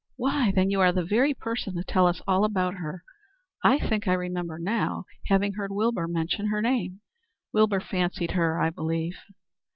"Why, then you are the very person to tell us all about her. I think I remember now having heard Wilbur mention her name." "Wilbur fancied her, I believe."